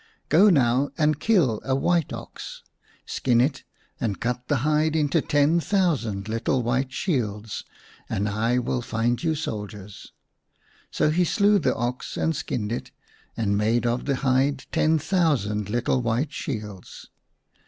Go now and kill a white ox, skin it, and cut the hide into ten thousand little white shields, and I will find you soldiers." So he slew the ox and skinned it and made of the hide ten thousand little white shields.